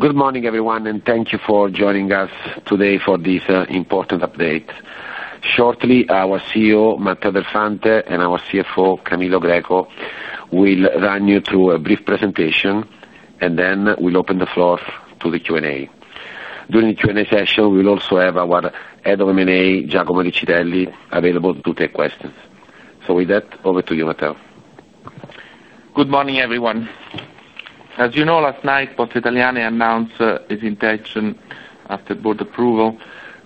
Good morning everyone, and thank you for joining us today for this, important update. Shortly, our CEO, Matteo Del Fante, and our CFO, Camillo Greco, will run you through a brief presentation, and then we'll open the floor to the Q&A. During the Q&A session, we'll also have our head of M&A, Giacomo Riccitelli, available to take questions. With that, over to you, Matteo. Good morning, everyone. As you know, last night, Poste Italiane announced its intention after Board approval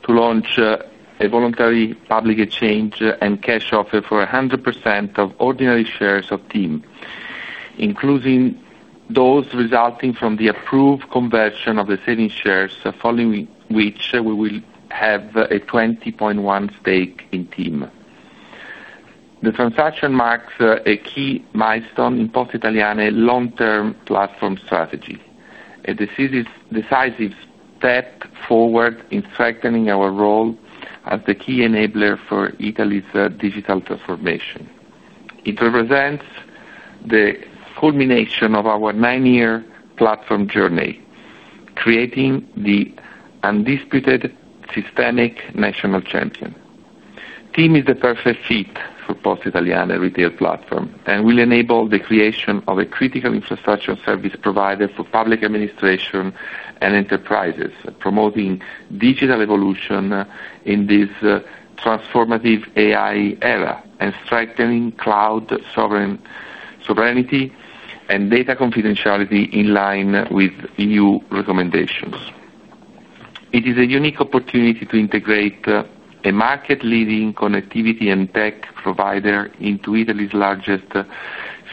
to launch a voluntary public exchange and cash offer for 100% of ordinary shares of TIM, including those resulting from the approved conversion of the savings shares, following which we will have a 20.1% stake in TIM. The transaction marks a key milestone in Poste Italiane's long-term platform strategy. A decisive step forward in strengthening our role as the key enabler for Italy's digital transformation. It represents the culmination of our nine-year platform journey, creating the undisputed systemic national champion. TIM is the perfect fit for Poste Italiane retail platform and will enable the creation of a critical infrastructure service provider for public administration and enterprises, promoting digital evolution in this transformative AI era and strengthening cloud sovereignty and data confidentiality in line with EU recommendations. It is a unique opportunity to integrate a market leading connectivity and tech provider into Italy's largest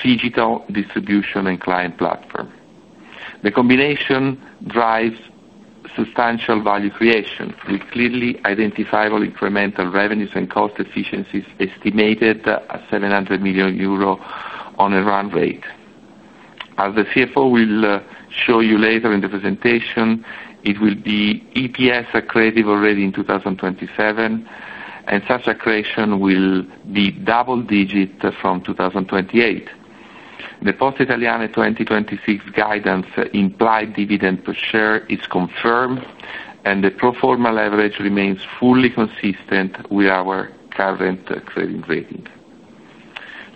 physical distribution and client platform. The combination drives substantial value creation with clearly identifiable incremental revenues and cost efficiencies, estimated at 700 million euro on a run rate. As the CFO will show you later in the presentation, it will be EPS accretive already in 2027, and such accretion will be double-digit from 2028. The Poste Italiane 2026 guidance implied dividend per share is confirmed, and the pro forma leverage remains fully consistent with our current credit rating.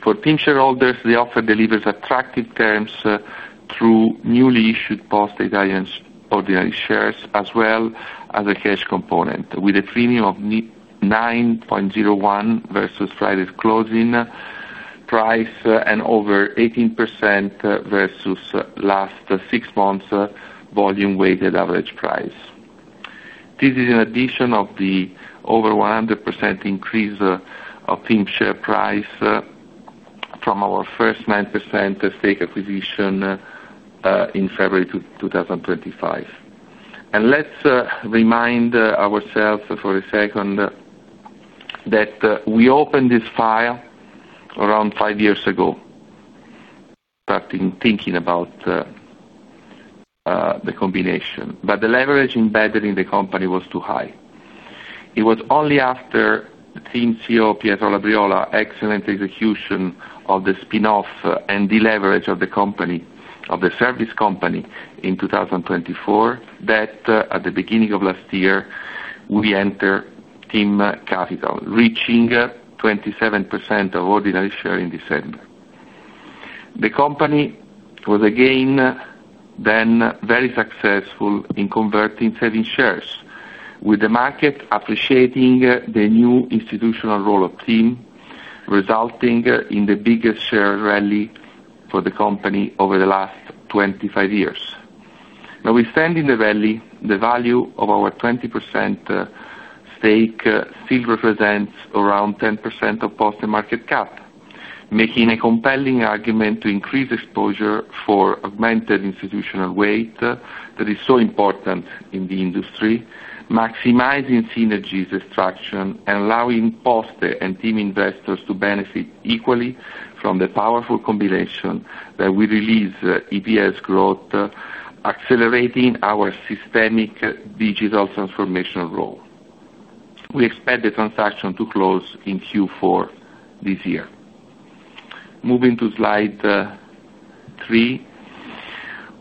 For TIM shareholders, the offer delivers attractive terms through newly issued Poste Italiane ordinary shares, as well as a cash component with a premium of 9.01% versus Friday's closing price and over 18% versus last six months volume weighted average price. This is an addition of the over 100% increase of TIM share price from our first 9% stake acquisition in February 2025. Let's remind ourselves for a second that we opened this file around five years ago, starting thinking about the combination. The leverage embedded in the company was too high. It was only after TIM CEO Pietro Labriola excellent execution of the spin-off and deleverage of the company, of the service company in 2024, that at the beginning of last year, we enter TIM Capital, reaching 27% of ordinary share in December. The company was again then very successful in converting saving shares, with the market appreciating the new institutional role of TIM, resulting in the biggest share rally for the company over the last 25 years. Now we stand in the valley, the value of our 20% stake still represents around 10% of Poste market cap, making a compelling argument to increase exposure for augmented institutional weight that is so important in the industry, maximizing synergies extraction and allowing Poste and TIM investors to benefit equally from the powerful combination that will release EPS growth, accelerating our systemic digital transformation role. We expect the transaction to close in Q4 this year. Moving to slide three.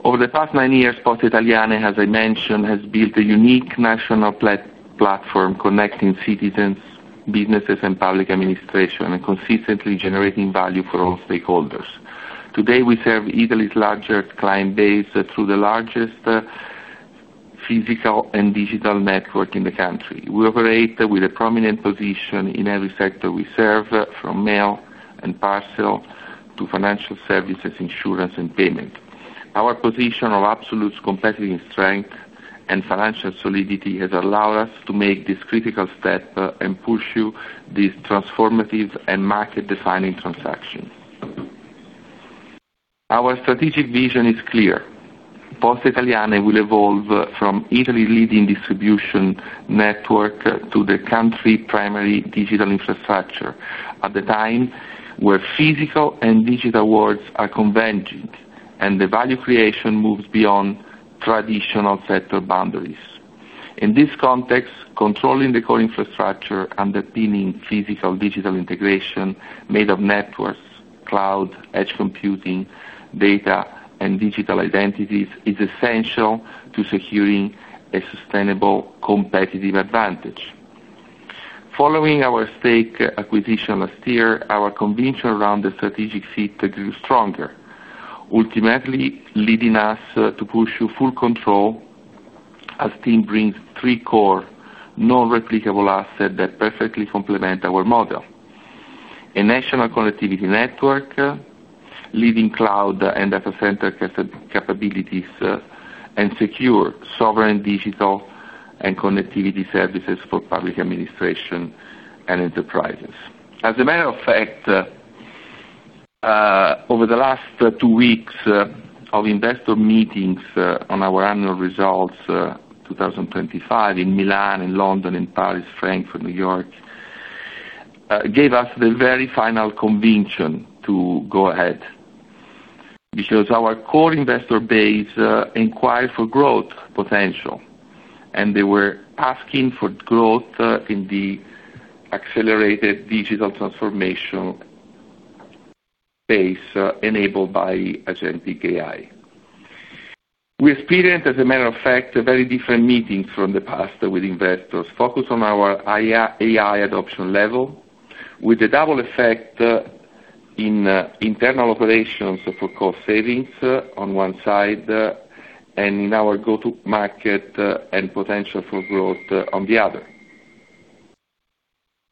Over the past nine years, Poste Italiane, as I mentioned, has built a unique national platform connecting citizens, businesses and public administration, and consistently generating value for all stakeholders. Today, we serve Italy's largest client base through the largest physical and digital network in the country. We operate with a prominent position in every sector we serve, from mail and parcel to financial services, insurance and payment. Our position of absolute competitive strength and financial solidity has allowed us to make this critical step and push through this transformative and market defining transaction. Our strategic vision is clear. Poste Italiane will evolve from Italy's leading distribution network to the country's primary digital infrastructure at a time when physical and digital worlds are converging and the value creation moves beyond traditional sector boundaries. In this context, controlling the core infrastructure underpinning physical digital integration made of networks, cloud, edge computing, data and digital identities is essential to securing a sustainable competitive advantage. Following our stake acquisition last year, our conviction around the strategic fit grew stronger, ultimately leading us to push for full control as TIM brings three core non-replicable assets that perfectly complement our model. A national connectivity network, leading cloud and data center capabilities, and secure sovereign digital and connectivity services for public administration and enterprises. As a matter of fact, over the last two weeks of investor meetings on our annual results 2020 in Milan, in London, in Paris, Frankfurt, New York gave us the very final conviction to go ahead. Because our core investor base inquired for growth potential, and they were asking for growth in the accelerated digital transformation based enabled by agentic AI. We experienced, as a matter of fact, very different meetings from the past with investors, focused on our AI adoption level, with a double effect in internal operations for cost savings on one side, and in our go-to-market and potential for growth on the other.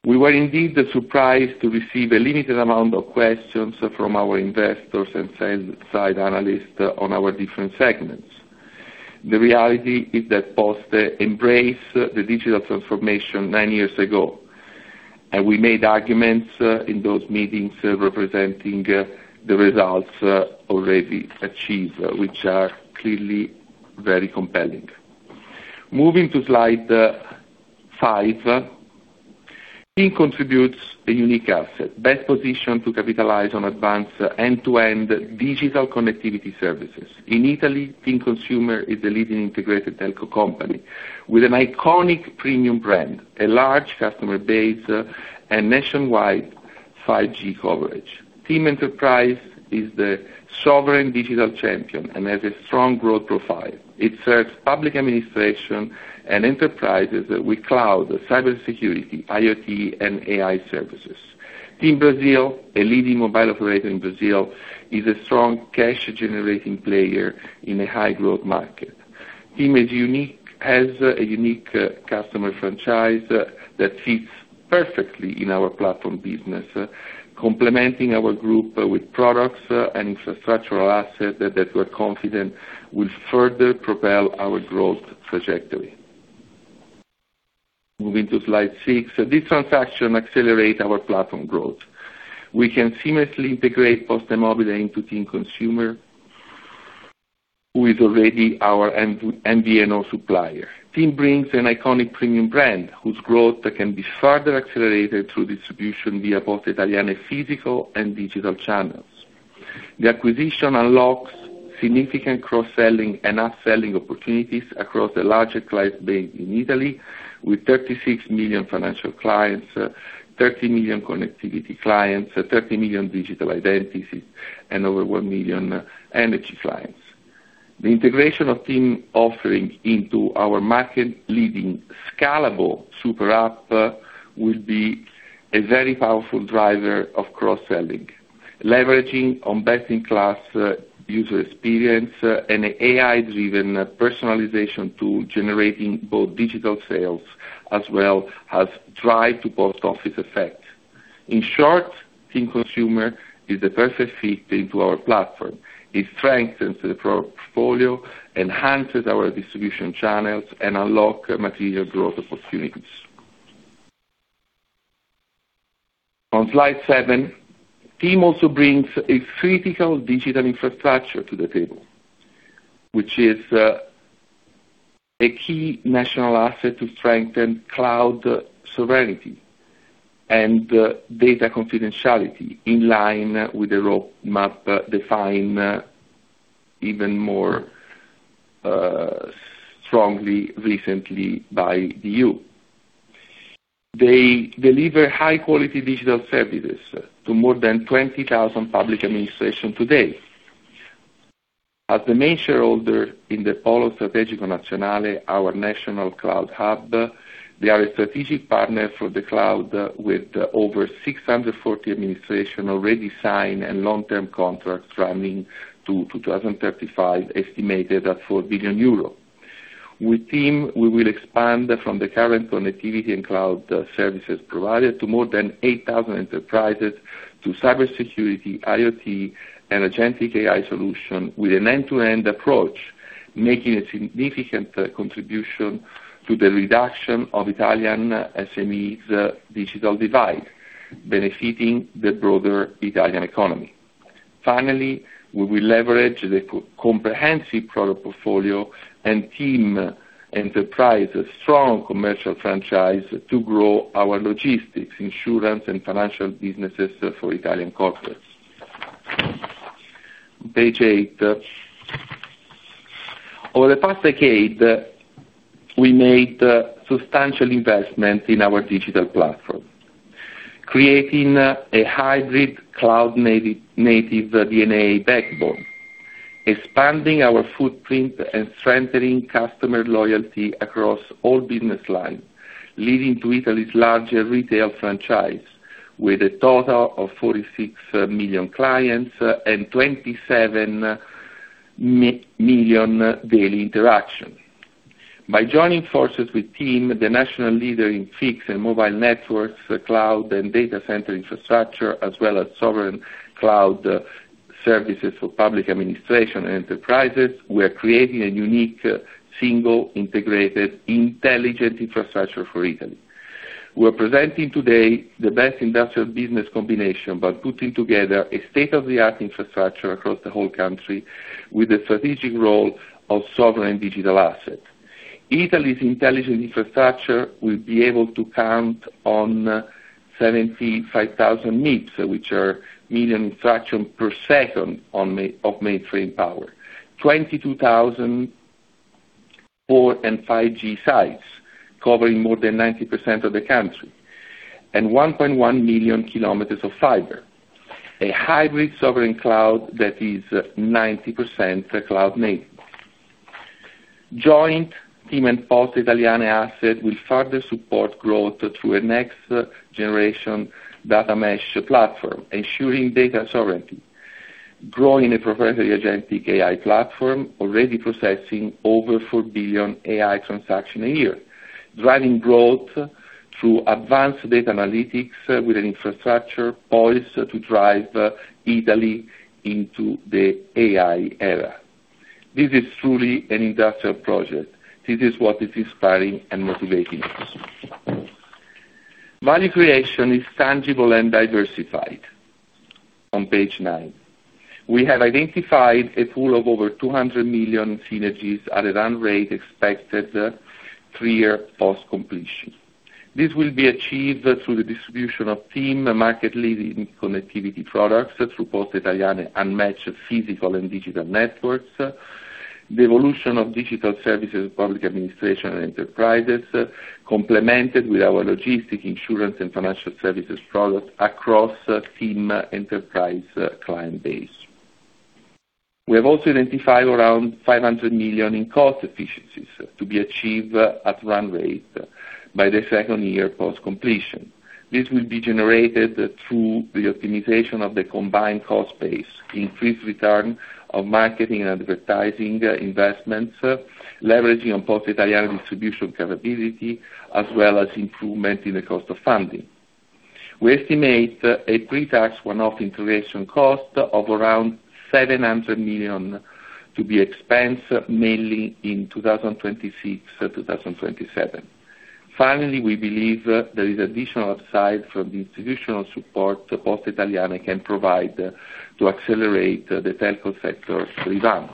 We were indeed surprised to receive a limited amount of questions from our investors and sell-side analysts on our different segments. The reality is that Poste embraced the digital transformation nine years ago, and we made arguments in those meetings representing the results already achieved, which are clearly very compelling. Moving to slide five. TIM contributes a unique asset, best positioned to capitalize on advanced end-to-end digital connectivity services. In Italy, TIM Consumer is the leading integrated telco company with an iconic premium brand, a large customer base, and nationwide 5G coverage. TIM Enterprise is the sovereign digital champion and has a strong growth profile. It serves public administration and enterprises with cloud, cybersecurity, IoT and AI services. TIM Brasil, a leading mobile operator in Brasil, is a strong cash-generating player in a high-growth market. TIM is unique, has a unique customer franchise that fits perfectly in our platform business, complementing our group with products and infrastructural assets that we're confident will further propel our growth trajectory. Moving to slide six. This transaction accelerate our platform growth. We can seamlessly integrate PosteMobile into TIM Consumer, who is already our MVNO supplier. TIM brings an iconic premium brand whose growth can be further accelerated through distribution via Poste Italiane physical and digital channels. The acquisition unlocks significant cross-selling and upselling opportunities across the larger client base in Italy, with 36 million financial clients, 30 million connectivity clients, 30 million digital identities, and over 1 million energy clients. The integration of TIM offering into our market-leading scalable super app will be a very powerful driver of cross-selling, leveraging on best-in-class user experience and AI-driven personalization tool, generating both digital sales as well as drive to post office effect. In short, TIM Consumer is the perfect fit into our platform. It strengthens the portfolio, enhances our distribution channels, and unlock material growth opportunities. On slide seven. TIM also brings a critical digital infrastructure to the table, which is a key national asset to strengthen cloud sovereignty and data confidentiality, in line with the roadmap defined even more strongly recently by EU. They deliver high quality digital services to more than 20,000 public administrations today. As the main shareholder in the Polo Strategico Nazionale, our national cloud hub, they are a strategic partner for the cloud with over 640 administrations already signed and long-term contracts running to 2035, estimated at 4 billion euros. With TIM, we will expand from the current connectivity and cloud services provided to more than 8,000 enterprises to cybersecurity, IoT, and agentic AI solution with an end-to-end approach, making a significant contribution to the reduction of Italian SMEs digital divide, benefiting the broader Italian economy. Finally, we will leverage the comprehensive product portfolio and TIM Enterprise's strong commercial franchise to grow our logistics, insurance and financial businesses for Italian corporates. Page eight. Over the past decade, we made substantial investments in our digital platform, creating a hybrid cloud native DNA backbone, expanding our footprint and strengthening customer loyalty across all business lines, leading to Italy's larger retail franchise with a total of 46 million clients and 27 million daily interactions. By joining forces with TIM, the national leader in fixed and mobile networks, cloud and data center infrastructure, as well as sovereign cloud services for public administration enterprises, we are creating a unique, single, integrated, intelligent infrastructure for Italy. We're presenting today the best industrial business combination by putting together a state-of-the-art infrastructure across the whole country with a strategic role of sovereign digital asset. Italy's intelligent infrastructure will be able to count on 75,000 MIPS, which are million instructions per second on mainframe power, 22,000 4G and 5G sites covering more than 90% of the country, and 1.1 million km of fiber. A hybrid sovereign cloud that is 90% cloud-native. Joint TIM and Poste Italiane asset will further support growth through a next generation data mesh platform, ensuring data sovereignty, growing a proprietary agentic AI platform already processing over 4 billion AI transactions a year, driving growth through advanced data analytics with an infrastructure poised to drive Italy into the AI era. This is truly an industrial project. This is what is inspiring and motivating us. Value creation is tangible and diversified. On page nine. We have identified a pool of over 200 million synergies at a run rate expected three-year post completion. This will be achieved through the distribution of TIM, a market-leading connectivity products through Poste Italiane's unmatched physical and digital networks, the evolution of digital services, public administration and enterprises, complemented with our logistics, insurance and financial services products across TIM Enterprise client base. We have also identified around 500 million in cost efficiencies to be achieved at run rate by the second year post completion. This will be generated through the optimization of the combined cost base, increased return of marketing and advertising investments, leveraging on Poste Italiane's distribution capability, as well as improvement in the cost of funding. We estimate a pre-tax one-off integration cost of around 700 million to be expensed mainly in 2026 to 2027. Finally, we believe there is additional upside from the institutional support that Poste Italiane can provide to accelerate the telco sector's revival.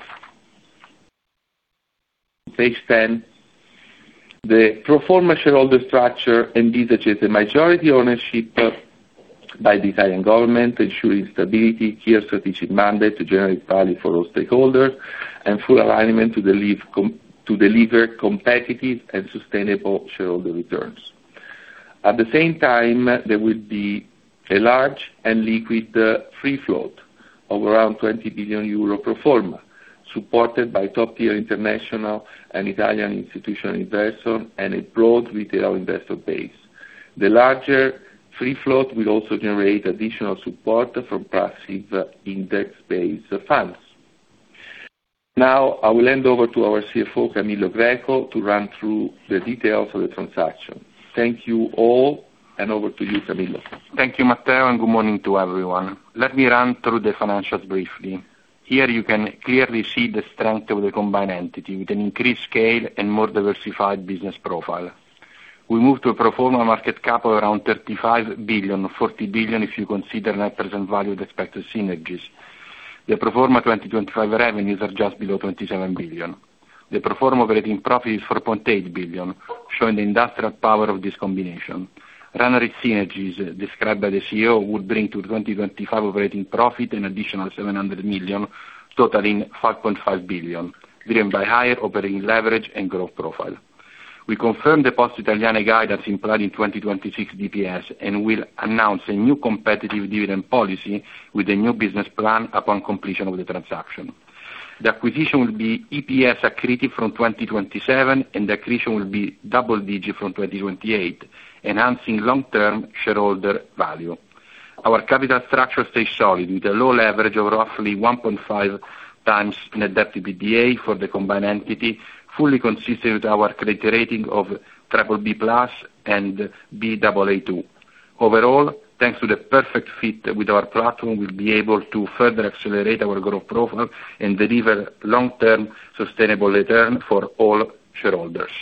Page 10. The pro forma shareholder structure indicates a majority ownership by the Italian government, ensuring stability, clear strategic mandate to generate value for all stakeholders, and full alignment to deliver competitive and sustainable shareholder returns. At the same time, there will be a large and liquid free float of around 20 billion euro pro forma, supported by top-tier international and Italian institutional investors and a broad retail investor base. The larger free float will also generate additional support from proxy index-based funds. Now, I will hand over to our CFO, Camillo Greco, to run through the details of the transaction. Thank you, all, and over to you, Camillo. Thank you, Matteo, and good morning to everyone. Let me run through the financials briefly. Here, you can clearly see the strength of the combined entity with an increased scale and more diversified business profile. We move to a pro forma market cap of around 35 billion, 40 billion if you consider net present value of expected synergies. The pro forma 2025 revenues are just below 27 billion. The pro forma operating profit is 4.8 billion, showing the industrial power of this combination. Run rate synergies described by the CEO would bring to 2025 operating profit an additional 700 million, totaling 5.5 billion, driven by higher operating leverage and growth profile. We confirm the Poste Italiane guidance that's implied in 2026 DPS, and we'll announce a new competitive dividend policy with a new business plan upon completion of the transaction. The acquisition will be EPS accretive from 2027, and the accretion will be double-digit from 2028, enhancing long-term shareholder value. Our capital structure stays solid, with a low leverage of roughly 1.5x net debt to EBITDA for the combined entity, fully consistent with our credit rating of BBB+ and Baa2. Overall, thanks to the perfect fit with our platform, we'll be able to further accelerate our growth profile and deliver long-term sustainable return for all shareholders.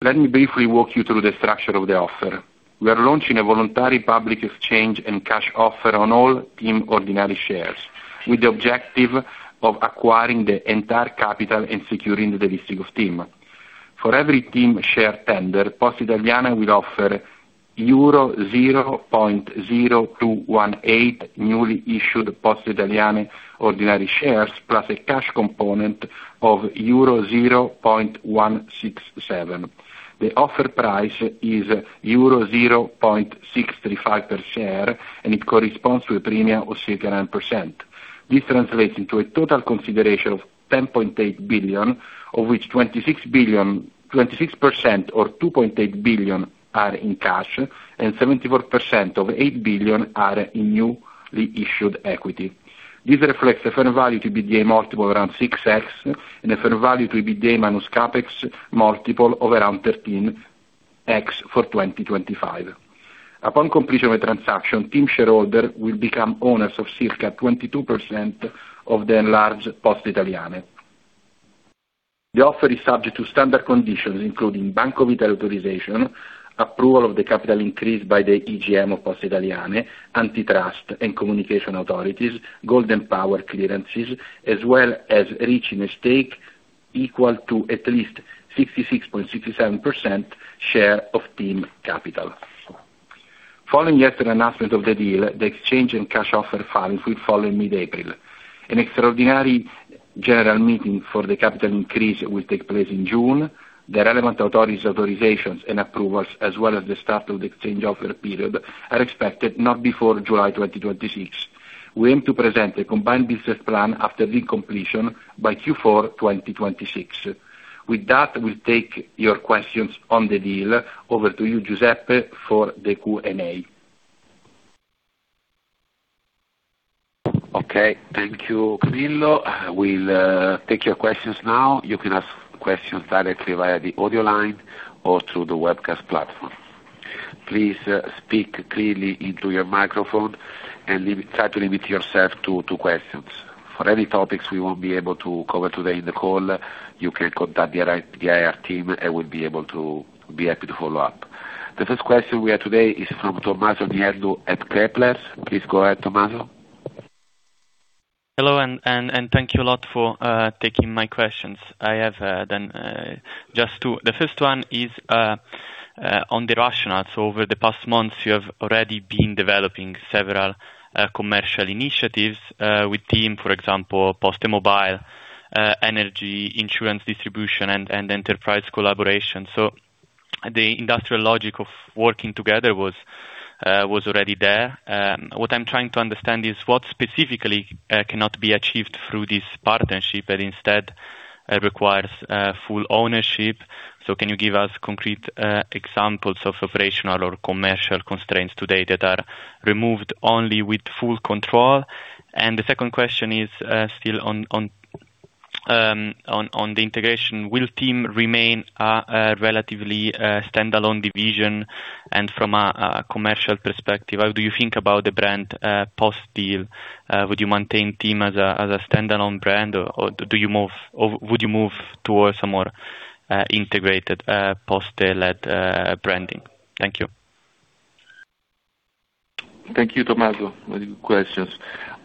Let me briefly walk you through the structure of the offer. We are launching a voluntary public exchange and cash offer on all TIM ordinary shares, with the objective of acquiring the entire capital and securing the listing of TIM. For every TIM share tender, Poste Italiane will offer euro 0.0218 newly issued Poste Italiane ordinary shares, plus a cash component of euro 0.167. The offer price is euro 0.635 per share, and it corresponds to a premium of 6.9%. This translates into a total consideration of 10.8 billion, of which 26% or 2.8 billion are in cash and 74% of 8 billion are in newly issued equity. This reflects a fair value to EBITDA multiple around 6x and a fair value to EBITDA minus CapEx multiple of around 13x for 2025. Upon completion of the transaction, TIM shareholder will become owners of circa 22% of the enlarged Poste Italiane. The offer is subject to standard conditions, including BancoPosta authorization, approval of the capital increase by the EGM of Poste Italiane, antitrust and communication authorities, Golden Power clearances as well as reaching a stake equal to at least 66.67% share of TIM capital. Following yesterday's announcement of the deal, the exchange and cash offer filings will follow in mid-April. An extraordinary general meeting for the capital increase will take place in June. The relevant authorities authorizations and approvals, as well as the start of the exchange offer period are expected not before July 2026. We aim to present a combined business plan after the completion by Q4 2026. With that, we'll take your questions on the deal. Over to you, Giuseppe, for the Q&A. Okay, thank you, Camillo. We'll take your questions now. You can ask questions directly via the audio line or through the webcast platform. Please speak clearly into your microphone and try to limit yourself to two questions. For any topics we won't be able to cover today in the call, you can contact the IR team, and we'll be happy to follow up. The first question we have today is from Tommaso Nieddu at Kepler. Please go ahead, Tommaso. Hello, thank you a lot for taking my questions. I have just two. The first one is on the rationale. Over the past months, you have already been developing several commercial initiatives with TIM, for example, PosteMobile, energy, insurance distribution and enterprise collaboration. The industrial logic of working together was already there. What I'm trying to understand is what specifically cannot be achieved through this partnership that instead requires full ownership. Can you give us concrete examples of operational or commercial constraints today that are removed only with full control? The second question is still on the integration. Will TIM remain a relatively standalone division? From a commercial perspective, how do you think about the brand post-deal? Would you maintain TIM as a standalone brand, or would you move towards a more integrated, Poste-led branding? Thank you. Thank you, Tommaso, for your questions.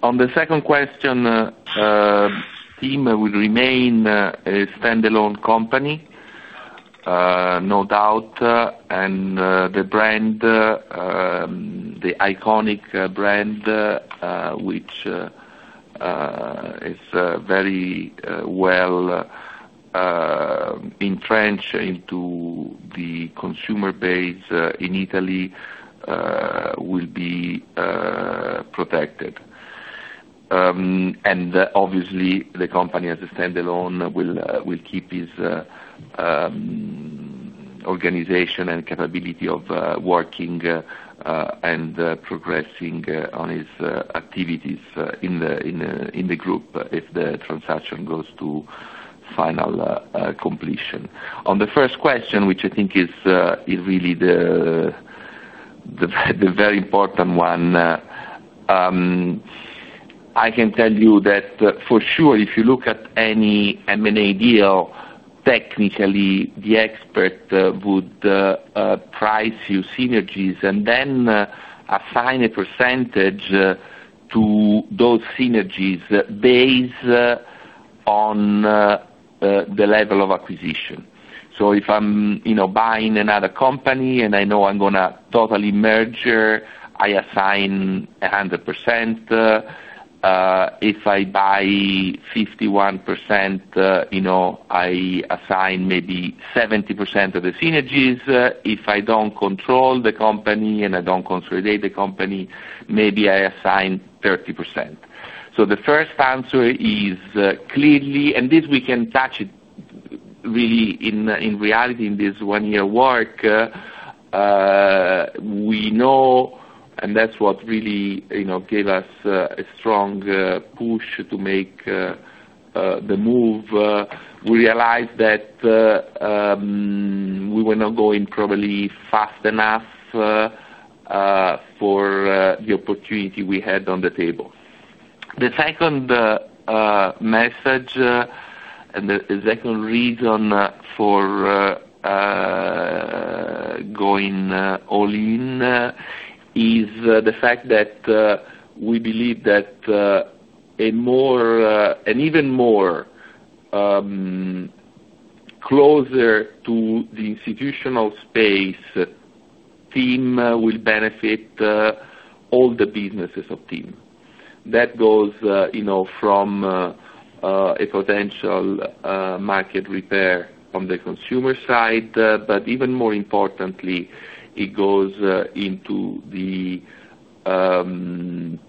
On the second question, TIM will remain a standalone company, no doubt, and the brand, the iconic brand, which is very well entrenched into the consumer base in Italy, will be protected. Obviously, the company as a standalone will keep its organization and capability of working and progressing on its activities in the group, if the transaction goes to final completion. On the first question, which I think is really the very important one, I can tell you that for sure. If you look at any M&A deal, technically the expert would price the synergies and then assign a percentage to those synergies based on the level of acquisition. So if I'm, you know, buying another company and I know I'm gonna totally merge, I assign 100%. If I buy 51%, you know, I assign maybe 70% of the synergies. If I don't control the company and I don't consolidate the company, maybe I assign 30%. The first answer is clearly, and this we can touch it really in reality in this one year work. We know and that's what really you know gave us a strong push to make the move. We realized that we were not going probably fast enough for the opportunity we had on the table. The second message and the second reason for going all in is the fact that we believe that an even more closer to the institutional space, TIM will benefit all the businesses of TIM. That goes you know from a potential market share from the consumer side, but even more importantly, it goes into the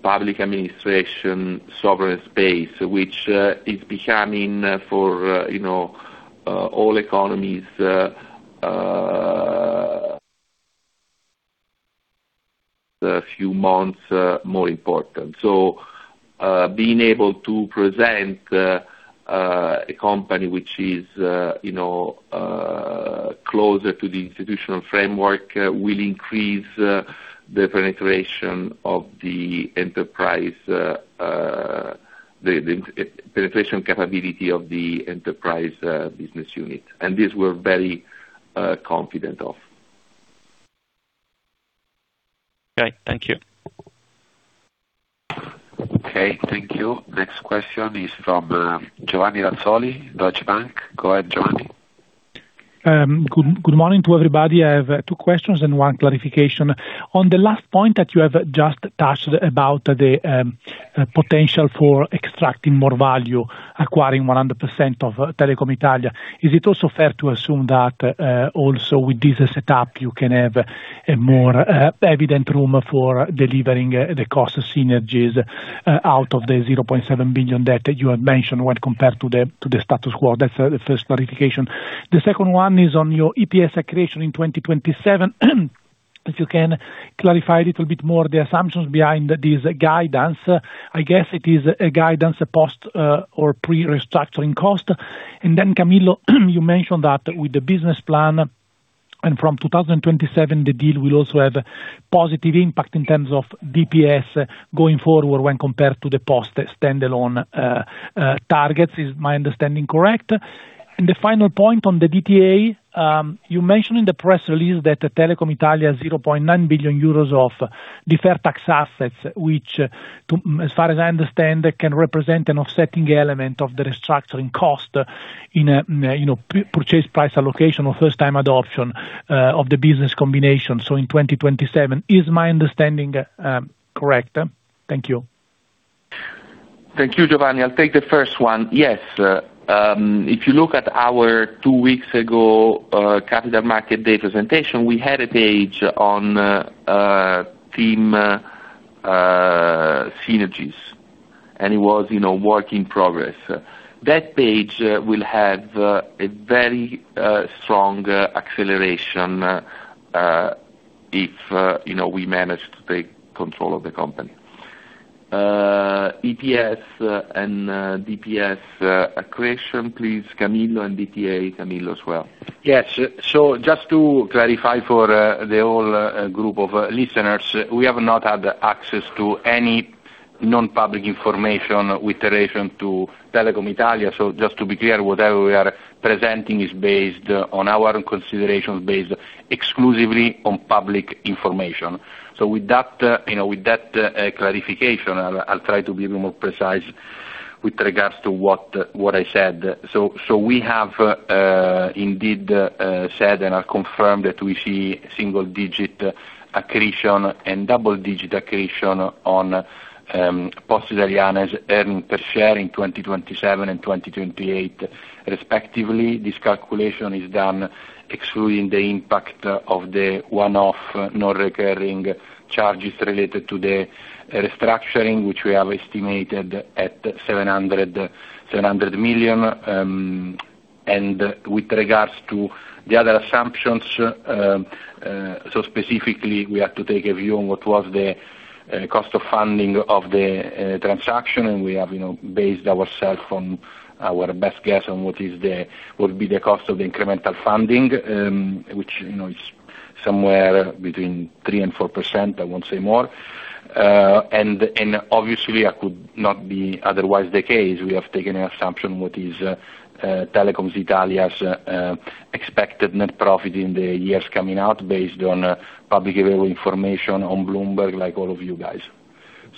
public administration, sovereign space, which is becoming for you know all economies. A few months more important. Being able to present a company which is, you know, closer to the institutional framework will increase the penetration of the enterprise, the penetration capability of the enterprise business unit. These we're very confident of. Okay. Thank you. Okay, thank you. Next question is from Giovanni Razzoli, Deutsche Bank. Go ahead, Giovanni. Good morning to everybody. I have two questions and one clarification. On the last point that you have just touched about the potential for extracting more value, acquiring 100% of Telecom Italia, is it also fair to assume that also with this setup, you can have a more evident room for delivering the cost synergies out of the 0.7 billion debt that you had mentioned when compared to the status quo? That's the first clarification. The second one is on your EPS accretion in 2027. If you can clarify a little bit more the assumptions behind this guidance. I guess it is a guidance post or pre-restructuring cost. Camillo, you mentioned that with the business plan and from 2027, the deal will also have positive impact in terms of DPS going forward when compared to the Poste standalone targets. Is my understanding correct? The final point on the DTA, you mentioned in the press release that Telecom Italia 0.9 billion euros of deferred tax assets, which, as far as I understand, can represent an offsetting element of the restructuring cost in a, you know, purchase price allocation or first time adoption of the business combination, so in 2027. Is my understanding correct? Thank you. Thank you, Giovanni. I'll take the first one. Yes, if you look at our two weeks ago capital markets day presentation, we had a page on TIM synergies, and it was work in progress. That page will have a very strong acceleration if we manage to take control of the company. EPS and DPS accretion, please, Camillo, and DTA, Camillo as well. Yes. Just to clarify for the whole group of listeners, we have not had access to any non-public information with relation to Telecom Italia. Just to be clear, whatever we are presenting is based on our consideration, based exclusively on public information. With that clarification, I'll try to be more precise with regards to what I said. We have indeed said and I confirm that we see single-digit accretion and double-digit accretion on Poste Italiane's earnings per share in 2027 and 2028 respectively. This calculation is done excluding the impact of the one-off non-recurring charges related to the restructuring, which we have estimated at 700 million. With regards to the other assumptions, specifically, we have to take a view on what was the cost of funding of the transaction, and we have, you know, based ourselves on our best guess on what would be the cost of the incremental funding, which, you know, is somewhere between 3%-4%. I won't say more. Obviously that could not be otherwise the case. We have taken an assumption on what is Telecom Italia's expected net profit in the coming years based on publicly available information on Bloomberg, like all of you guys.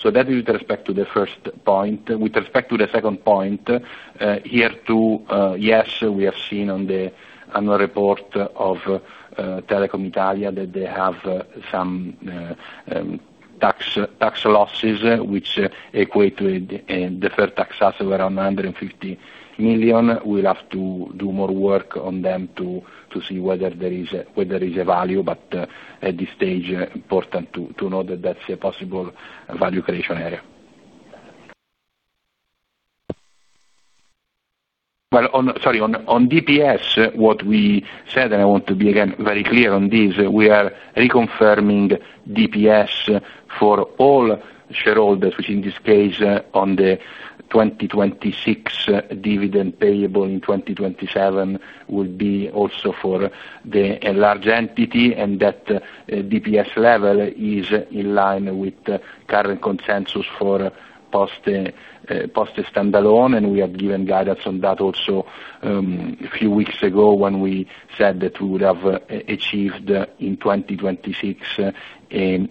That is with respect to the first point. With respect to the second point, here too, yes, we have seen on the annual report of Telecom Italia that they have some tax losses which equate to a deferred tax asset around 150 million. We'll have to do more work on them to see whether there is a value, but at this stage, important to know that that's a possible value creation area. Well, on DPS, what we said, and I want to be again very clear on this, we are reconfirming DPS for all shareholders, which in this case on the 2026 dividend payable in 2027 will be also for the enlarged entity, and that DPS level is in line with the current consensus for Poste standalone, and we have given guidance on that also a few weeks ago when we said that we would have achieved in 2026 a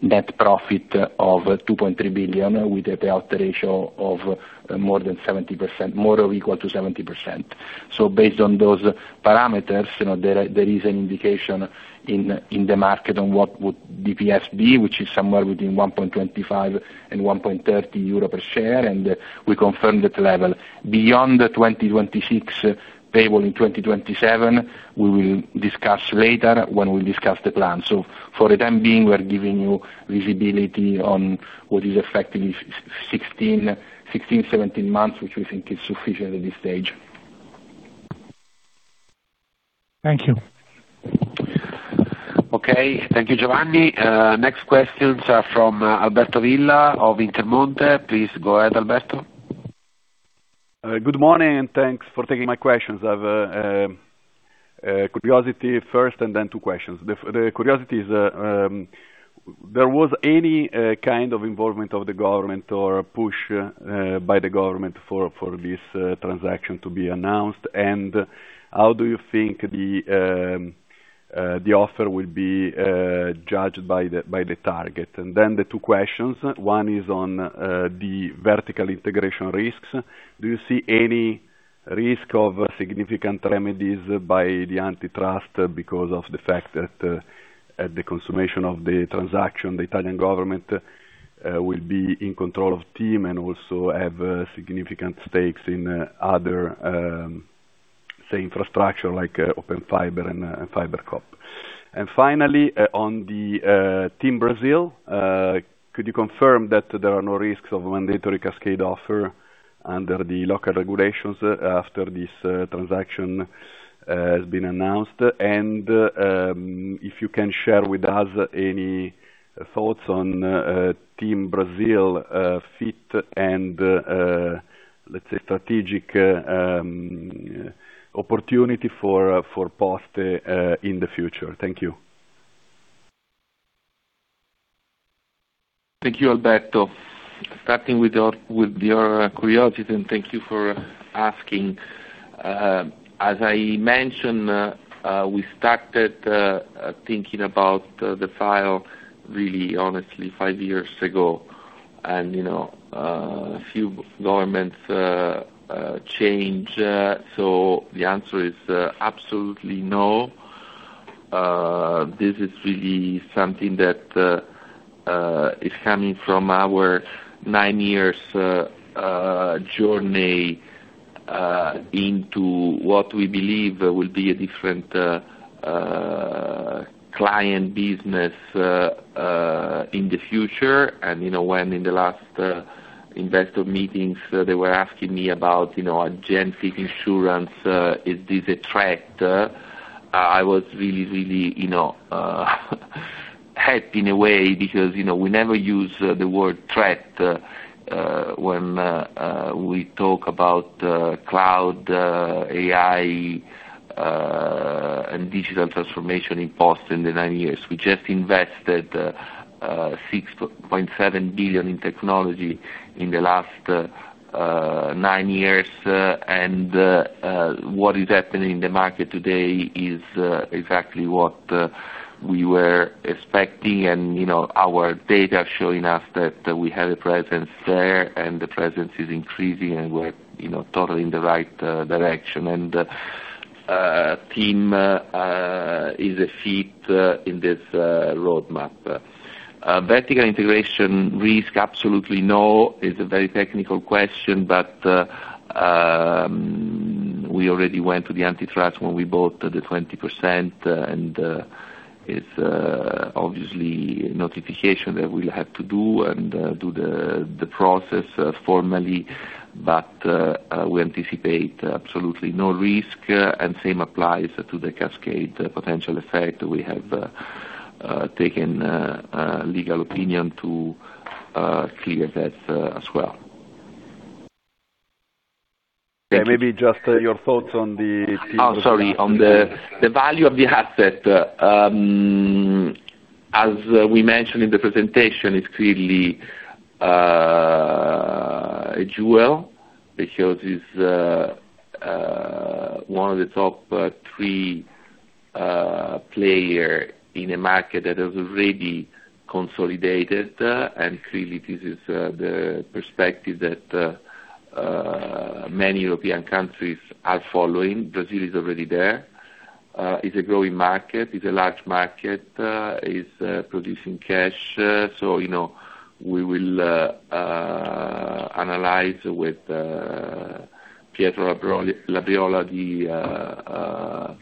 net profit of 2.3 billion with a payout ratio of more than or equal to 70%. Based on those parameters, you know, there is an indication in the market on what would DPS be, which is somewhere within 1.25-1.30 euro per share, and we confirm that level. Beyond the 2026 payable in 2027, we will discuss later when we discuss the plan. For the time being, we are giving you visibility on what is affecting 16, 17 months, which we think is sufficient at this stage. Thank you. Okay. Thank you, Giovanni. Next questions are from Alberto Villa of Intermonte. Please go ahead, Alberto. Good morning, and thanks for taking my questions. I've curiosity first and then two questions. The curiosity is, was there any kind of involvement of the government or push by the government for this transaction to be announced, and how do you think the offer will be judged by the target? Then the two questions, one is on the vertical integration risks. Do you see any risk of significant remedies by the antitrust because of the fact that, at the consummation of the transaction, the Italian government will be in control of TIM and also have significant stakes in other, say infrastructure like Open Fiber and FiberCop? Finally, on the TIM Brasil, could you confirm that there are no risks of mandatory cascade offer under the local regulations after this transaction has been announced? If you can share with us any thoughts on TIM Brasil fit and let's say strategic opportunity for Poste in the future. Thank you. Thank you, Alberto. Starting with your curiosity, and thank you for asking. As I mentioned, we started thinking about the future really honestly five years ago. You know, a few governments change, so the answer is absolutely no. This is really something that is coming from our nine years journey into what we believe will be a different client business in the future. You know, when in the last investor meetings they were asking me about, you know, GenAI in insurance, is this a threat, I was really, you know, happy in a way because, you know, we never use the word threat, when we talk about cloud, AI, and digital transformation in Poste in the nine years. We just invested 6.7 billion in technology in the last nine years, and what is happening in the market today is exactly what we were expecting. You know, our data showing us that we have a presence there, and the presence is increasing, and we're, you know, totally in the right direction. TIM is a fit in this roadmap. Vertical integration risk, absolutely no. It's a very technical question, but we already went to the antitrust when we bought the 20%, and it's obviously notification that we'll have to do and do the process formally. We anticipate absolutely no risk, and same applies to the cascade potential effect. We have taken a legal opinion to clear that as well. Yeah, maybe just your thoughts on the TIM Oh, sorry. On the value of the asset, as we mentioned in the presentation, it's clearly a jewel because it's one of the top three players in a market that is already consolidated, and clearly this is the perspective that many European countries are following. Brasil is already there. It's a growing market. It's a large market. It's producing cash, so you know, we will analyze with Pietro Labriola the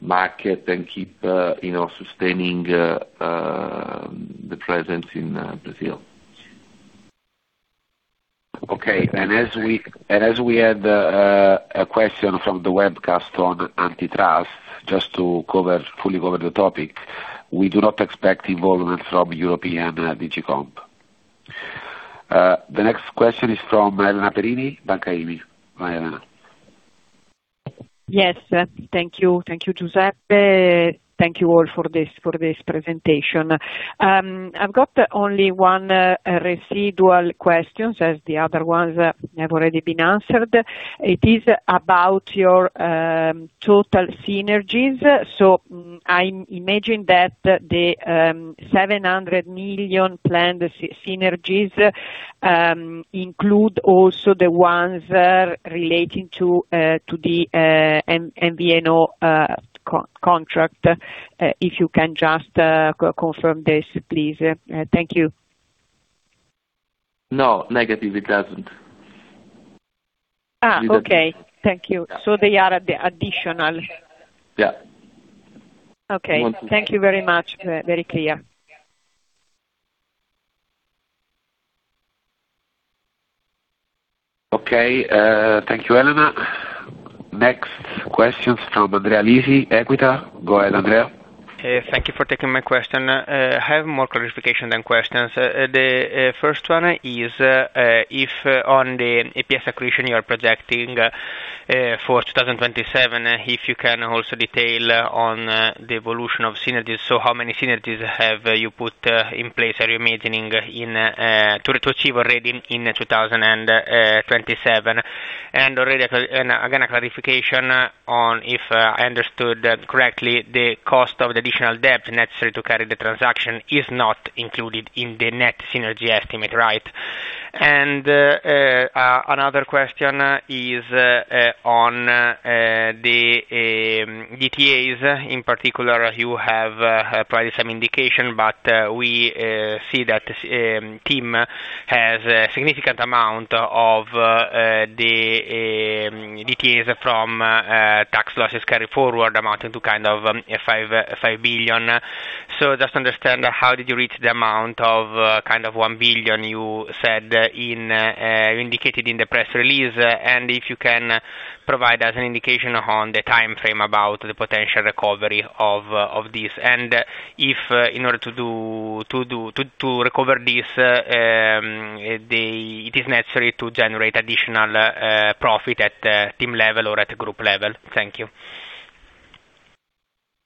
Market and keep, you know, sustaining the presence in Brasil. Okay. As we had a question from the webcast on antitrust, just to fully cover the topic, we do not expect involvement from European DG COMP. The next question is from Elena Perini, Intesa Sanpaolo. Elena. Yes. Thank you. Thank you, Giuseppe. Thank you all for this presentation. I've got only one residual question, as the other ones have already been answered. It is about your total synergies. I imagine that the 700 million planned synergies include also the ones relating to the MVNO contract. If you can just confirm this, please. Thank you. No, negative. It doesn't. Okay. Thank you. They are at the additional? Yeah. Okay. Thank you very much. Very clear. Okay, thank you, Elena. Next question is from Andrea Lisi, Equita. Go ahead, Andrea. Thank you for taking my question. I have more clarification than questions. The first one is, if on the EPS accretion you are projecting for 2027, if you can also detail on the evolution of synergies. So how many synergies have you put in place are you imagining in to achieve already in 2027? And again, a clarification on, if I understood correctly, the cost of the additional debt necessary to carry the transaction is not included in the net synergy estimate, right? And another question is on the DTAs. In particular, you have probably some indication, but we see that TIM has a significant amount of the DTAs from tax losses carry forward amounting to kind of 5 billion. So just to understand, how did you reach the amount of kind of 1 billion you indicated in the press release, and if you can provide us an indication on the timeframe about the potential recovery of this. If in order to recover this, it is necessary to generate additional profit at TIM level or at group level. Thank you.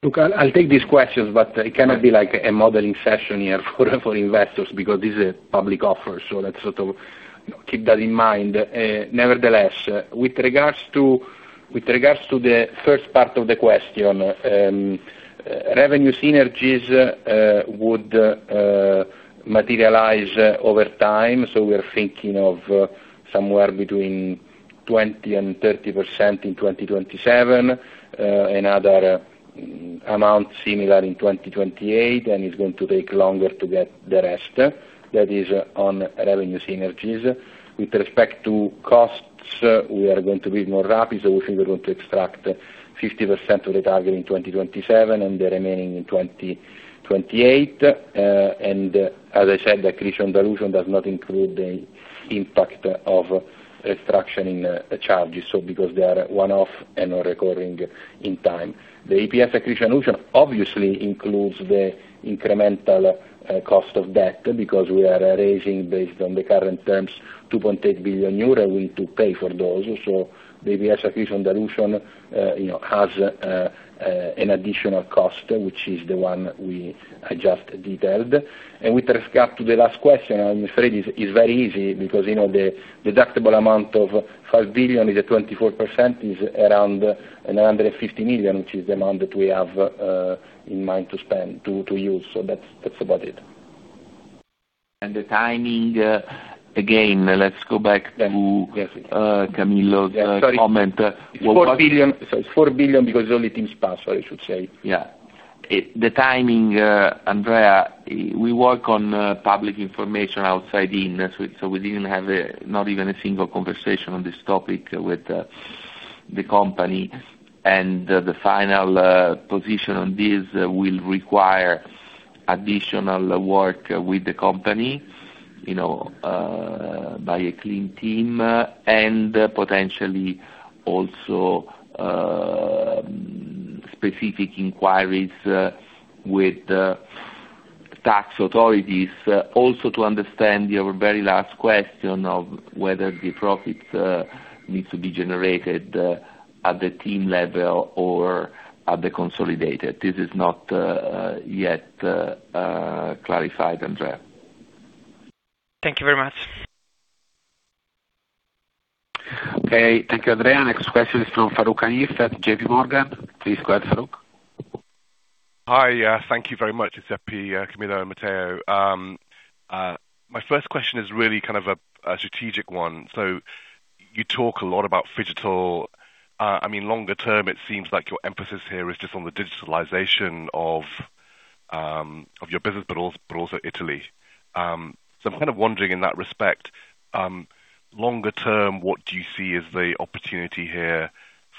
Look, I'll take these questions, but it cannot be like a modeling session here for investors because this is a public offer. Let's sort of keep that in mind. Nevertheless, with regards to the first part of the question, revenue synergies would materialize over time. We are thinking of somewhere between 20% and 30% in 2027. Another amount similar in 2028, and it's going to take longer to get the rest. That is on revenue synergies. With respect to costs, we are going to be more rapid, so we think we're going to extract 50% of the target in 2027 and the remaining in 2028. And as I said, accretion dilution does not include the impact of restructuring charges, so because they are one-off and are recurring in time. The EPS accretion dilution obviously includes the incremental cost of debt because we are raising based on the current terms, 2.8 billion euro. We need to pay for those. The EPS accretion dilution, you know, has an additional cost, which is the one I just detailed. With respect to the last question, I'm afraid it's very easy because, you know, the deductible amount of 5 billion is at 24% is around 50 million, which is the amount that we have in mind to spend to use. That's about it. The timing, again, let's go back to. Yes. Camillo's comment. Sorry. It's 4 billion. It's 4 billion because only TIM's part, I should say. The timing, Andrea, we work on public information outside in, so we didn't have even a single conversation on this topic with the company. The final position on this will require additional work with the company, you know, by a clean team and potentially also specific inquiries with tax authorities, also to understand your very last question of whether the profit needs to be generated at the TIM level or at the consolidated. This is not yet clarified, Andrea. Thank you very much. Okay. Thank you, Andrea. Next question is from Farooq Hanif at JPMorgan. Please go ahead, Farooq. Hi. Thank you very much, Giuseppe, Camillo, Matteo. My first question is really kind of a strategic one. You talk a lot about phygital. I mean, longer term, it seems like your emphasis here is just on the digitalization of your business, but also Italy. I'm kind of wondering in that respect, longer term, what do you see as the opportunity here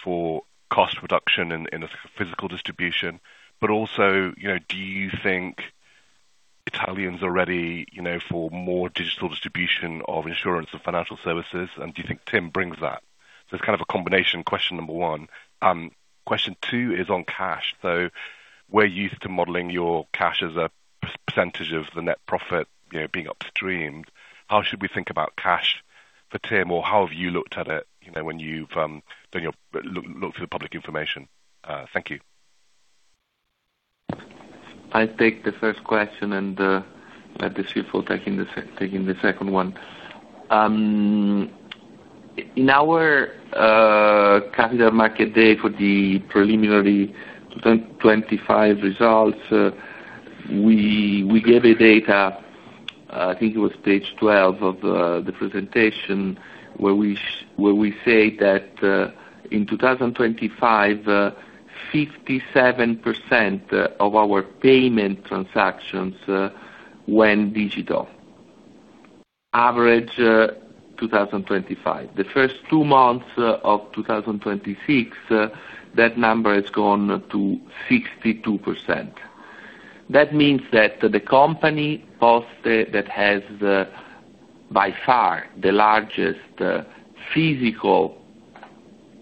for cost reduction in physical distribution, but also, you know, do you think Italians are ready, you know, for more digital distribution of insurance and financial services, and do you think TIM brings that? It's kind of a combination question, number one. Question two is on cash. We're used to modeling your cash as a percentage of the net profit, you know, being upstreamed. How should we think about cash for TIM, or how have you looked at it, you know, when you've done your look for the public information? Thank you. I take the first question and let the CFO taking the second one. In our capital market day for the preliminary 2025 results, we gave a data, I think it was page 12 of the presentation, where we say that in 2025, 57% of our payment transactions went digital. Average 2025. The first two months of 2026, that number has gone to 62%. That means that the company, Poste, that has by far the largest physical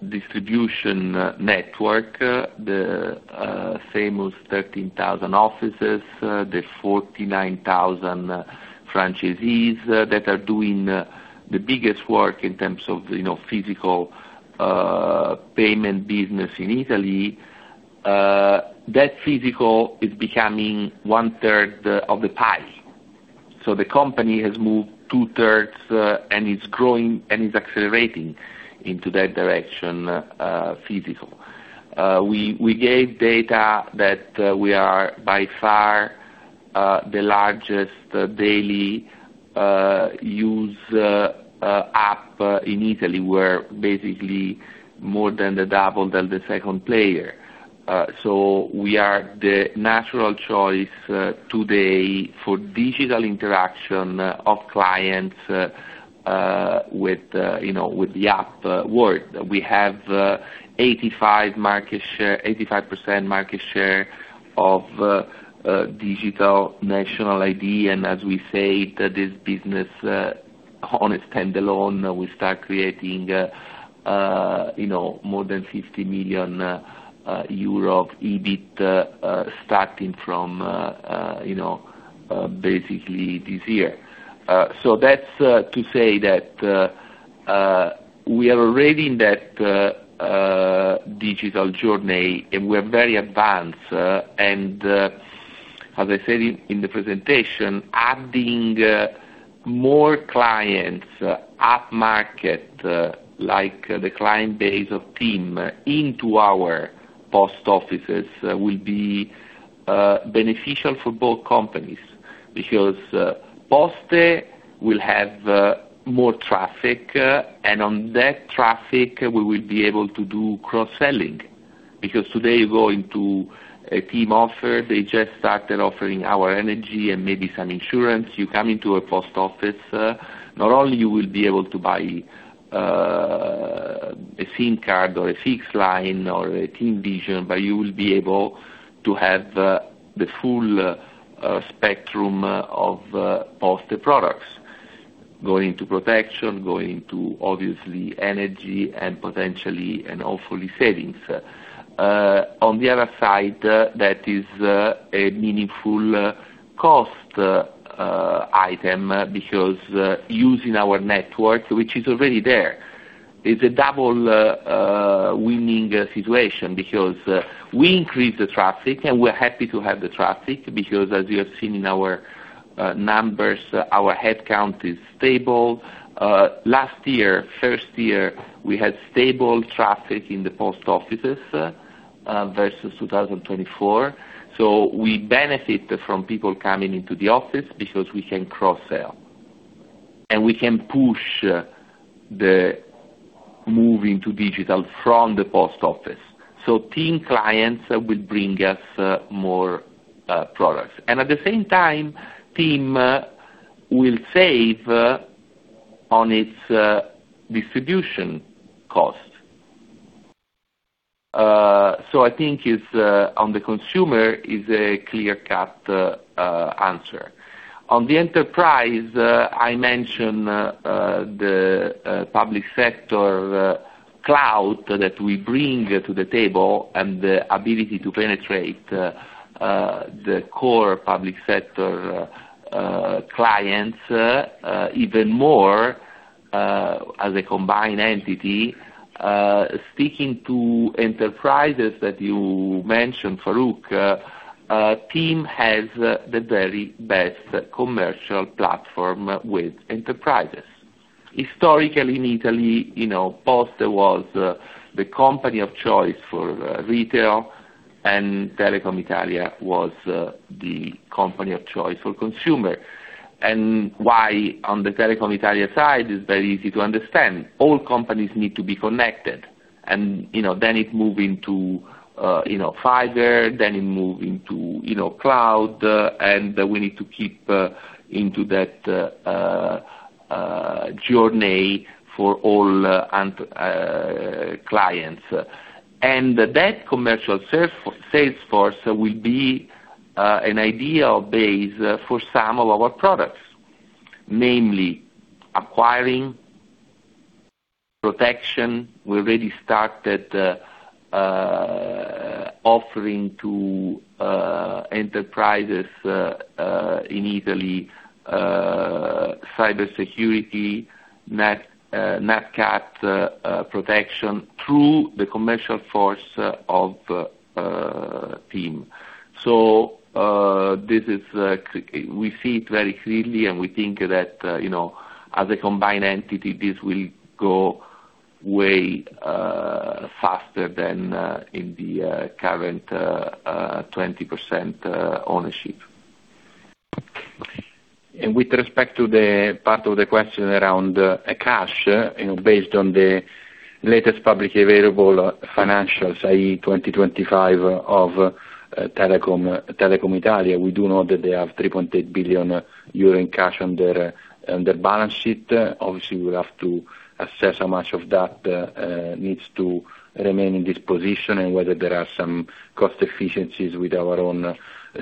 distribution network, the famous 13,000 offices, the 49,000 franchisees that are doing the biggest work in terms of, you know, physical payment business in Italy, that physical is becoming one-third of the pie. The company has moved two-thirds, and it's growing, and it's accelerating into that direction, physical. We gave data that we are by far the largest daily use app in Italy. We're basically more than double than the second player. We are the natural choice today for digital interaction of clients with, you know, with the app world. We have 85% market share of digital national ID, and as we said, this business on its standalone we start creating, you know, more than 50 million euro of EBIT starting from, you know, basically this year. That's to say that we are already in that digital journey, and we're very advanced, and as I said in the presentation, adding more clients up-market, like the client base of TIM into our post offices, will be beneficial for both companies. Because Poste will have more traffic, and on that traffic, we will be able to do cross-selling. Because today you go into a TIM offer, they just started offering our energy and maybe some insurance. You come into a post office, not only you will be able to buy a SIM card or a fixed line or a TIMvision, but you will be able to have the full spectrum of Poste products. Going into protection, obviously energy and potentially, and hopefully savings. On the other side, that is, a meaningful cost item because using our network, which is already there, is a double winning situation. Because we increase the traffic, and we're happy to have the traffic, because as you have seen in our numbers, our headcount is stable. Last year, first year, we had stable traffic in the post offices versus 2024. We benefit from people coming into the office because we can cross-sell, and we can push the move into digital from the post office. TIM clients will bring us more products. At the same time, TIM will save on its distribution costs. I think it's on the consumer is a clear-cut answer. On the enterprise, I mentioned the public sector cloud that we bring to the table and the ability to penetrate the core public sector clients even more as a combined entity. Speaking to enterprises that you mentioned, Farooq, TIM has the very best commercial platform with enterprises. Historically, in Italy, you know, Poste was the company of choice for retail, and Telecom Italia was the company of choice for consumer. Why on the Telecom Italia side is very easy to understand. All companies need to be connected and, you know, then it move into, you know, fiber, then it move into, you know, cloud, and we need to keep into that journey for all clients. That commercial sales force will be an ideal base for some of our products, namely acquiring protection. We already started offering to enterprises in Italy cybersecurity net cap protection through the commercial force of TIM. We see it very clearly, and we think that, you know, as a combined entity, this will go way faster than in the current 20% ownership. With respect to the part of the question around cash, you know, based on the latest publicly available financials, i.e. 2025 of Telecom Italia, we do know that they have 3.8 billion euro in cash on their balance sheet. Obviously, we'll have to assess how much of that needs to remain in this position and whether there are some cost efficiencies with our own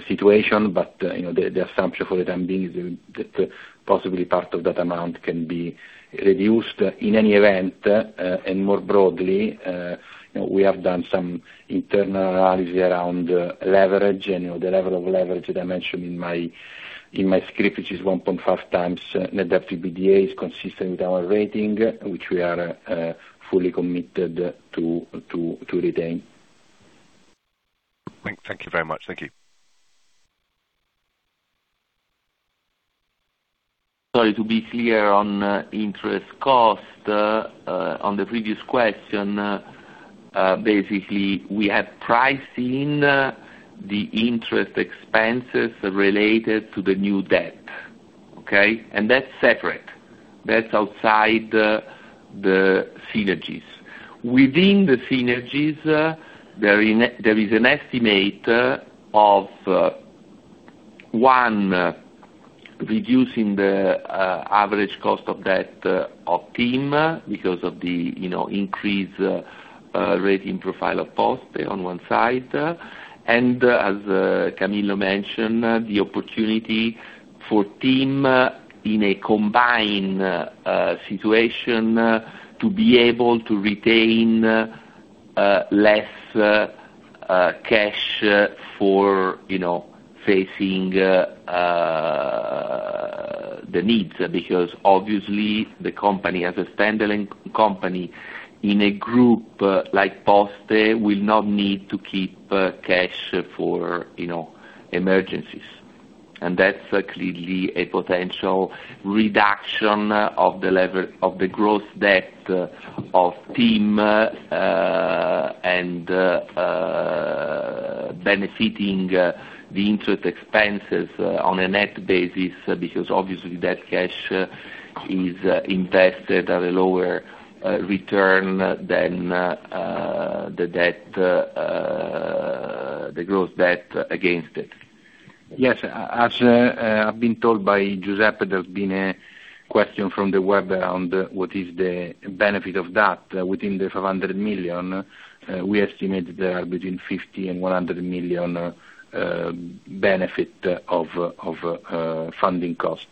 situation. You know, the assumption for the time being is that possibly part of that amount can be reduced. In any event, and more broadly, you know, we have done some internal analysis around leverage and, you know, the level of leverage that I mentioned in my script, which is 1.5x net debt to EBITDA, is consistent with our rating, which we are fully committed to retain. Thank you very much. Thank you. Sorry, to be clear on interest cost on the previous question, basically, we have priced in the interest expenses related to the new debt. Okay? That's separate. That's outside the synergies. Within the synergies, there is an estimate of one, reducing the average cost of debt of TIM because of the, you know, increased rating profile of Poste on one side. And as Camillo mentioned, the opportunity for TIM in a combined situation to be able to retain less cash for, you know, facing the needs, because obviously the company as a stand-alone company in a group like Poste will not need to keep cash for, you know, emergencies. That's clearly a potential reduction of the level of the gross debt of TIM, and benefiting the interest expenses on a net basis, because obviously that cash is invested at a lower return than the gross debt against it. Yes. As I've been told by Giuseppe, there's been a question from the web around what is the benefit of that. Within the 500 million, we estimate there are between 50 million and 100 million benefit of funding cost.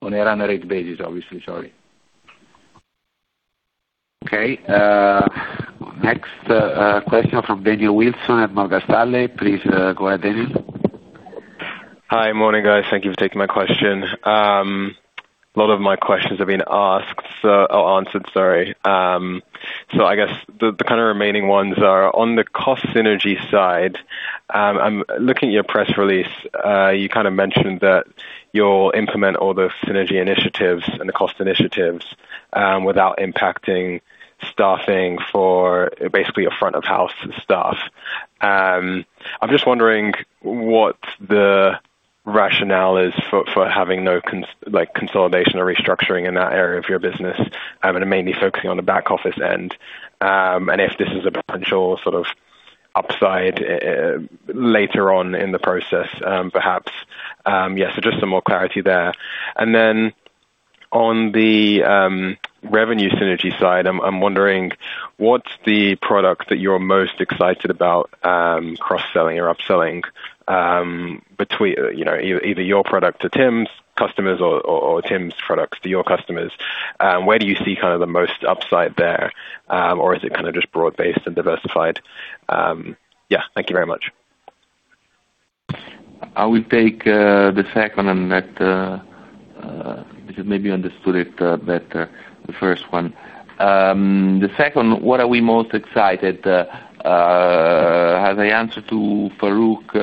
On a run rate basis, obviously. Sorry. Okay. Next, question from Daniel Wilson at Morgan Stanley. Please, go ahead, Daniel. Hi. Morning, guys. Thank you for taking my question. A lot of my questions have been asked or answered, sorry. I guess the kind of remaining ones are on the cost synergy side. I'm looking at your press release. You kind of mentioned that you'll implement all the synergy initiatives and the cost initiatives without impacting staffing for basically your front of house staff. I'm just wondering what the rationale is for having no, like, consolidation or restructuring in that area of your business and mainly focusing on the back office end. If this is a potential sort of upside later on in the process, perhaps. Just some more clarity there. Then on the revenue synergy side, I'm wondering what's the product that you're most excited about, cross-selling or upselling, between, you know, either your product to TIM's customers or TIM's products to your customers. Where do you see kind of the most upside there? Or is it kind of just broad-based and diversified? Yeah. Thank you very much. I will take the second, because maybe you understood it better, the first one. The second, what are we most excited, as I answered to Farooq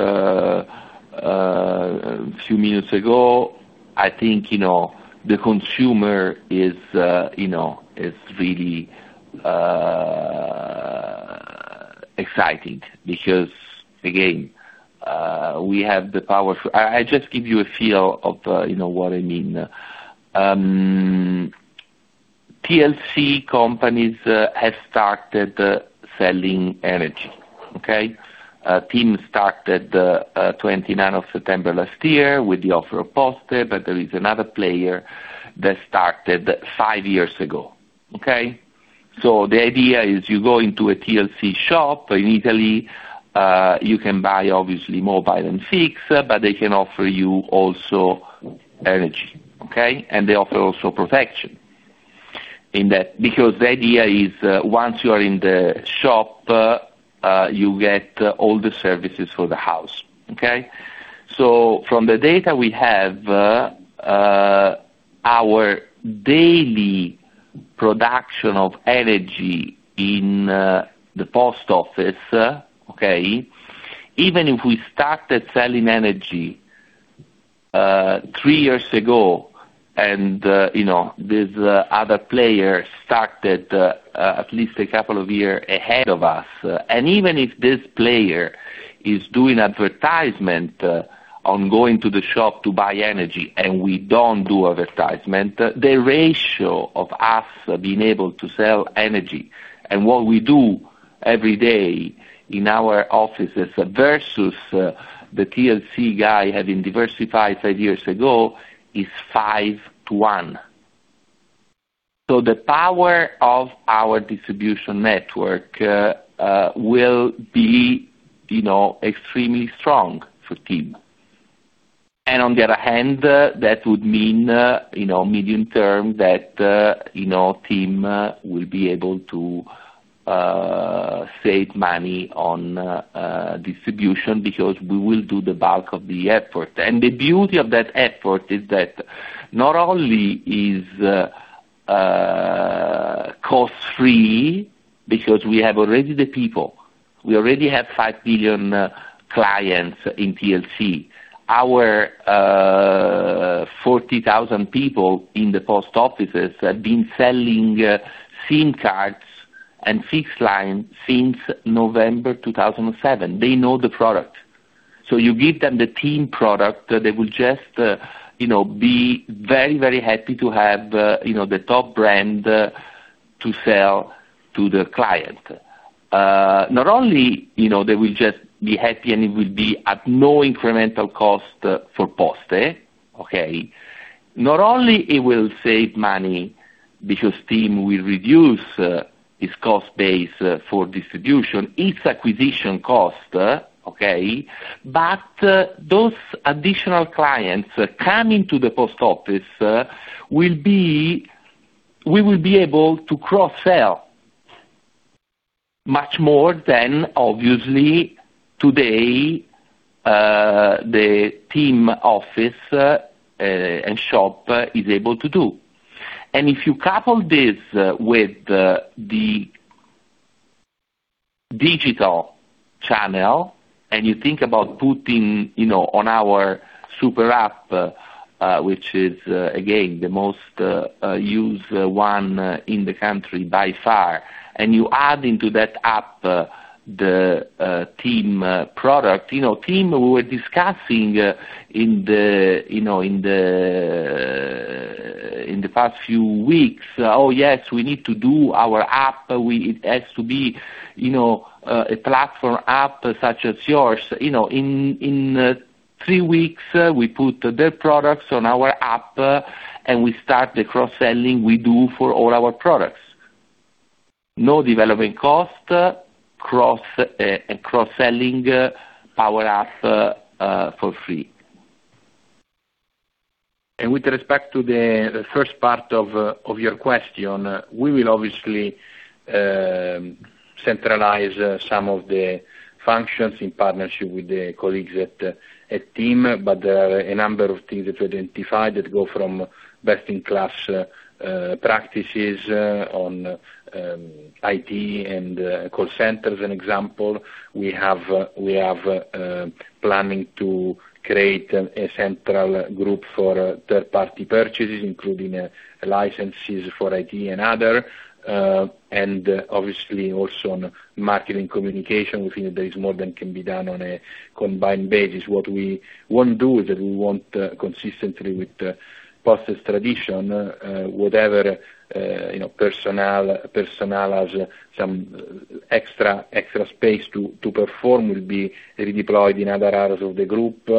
a few minutes ago, I think, you know, the consumer is, you know, is really exciting, because, again, we have the power. I just give you a feel of, you know what I mean. TLC companies have started selling energy. Okay? TIM started 29 September last year with the offer of Poste, but there is another player that started five years ago. Okay? The idea is you go into a TLC shop in Italy, you can buy obviously mobile and fixed, but they can offer you also energy, okay? They offer also protection. Because the idea is, once you are in the shop, you get all the services for the house, okay? From the data we have, our daily production of energy in the post office, okay, even if we started selling energy three years ago, and you know, this other player started at least a couple of year ahead of us. Even if this player is doing advertisement on going to the shop to buy energy, and we don't do advertisement, the ratio of us being able to sell energy and what we do every day in our offices versus the TLC guy having diversified five years ago, is five to one. The power of our distribution network will be, you know, extremely strong for TIM. On the other hand, that would mean, you know, medium-term that, you know, TIM will be able to save money on distribution because we will do the bulk of the effort. The beauty of that effort is that not only is cost-free because we have already the people, we already have 5 billion clients in TLC. Our 40,000 people in the post offices have been selling SIM cards and fixed line since November 2007. They know the product. You give them the TIM product, they will just, you know, be very, very happy to have, you know, the top brand to sell to the client. Not only, you know, they will just be happy and it will be at no incremental cost for Poste. Okay? Not only it will save money because TIM will reduce its cost base for distribution, its acquisition cost, okay? Those additional clients coming to the post office will be able to cross-sell much more than obviously today the TIM office and shop is able to do. If you couple this with the digital channel, and you think about putting, you know, on our super app, which is again the most used one in the country by far, and you add into that app the TIM product. You know, TIM we were discussing in the past few weeks, "Oh, yes, we need to do our app. It has to be, you know, a platform app such as yours. You know, in three weeks, we put their products on our app, and we start the cross-selling we do for all our products. No development cost, cross-selling power up for free. With respect to the first part of your question, we will obviously centralize some of the functions in partnership with the colleagues at TIM. There are a number of things that we identified that go from best in class practices on IT and call centers, an example. We have planning to create a central group for third-party purchases, including licenses for IT and other, and obviously also on marketing communication. We think there is more than can be done on a combined basis. What we won't do is that we want, consistently with the Poste tradition, whatever, you know, personnel has some extra space to perform will be redeployed in other areas of the group,